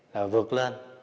là vượt lên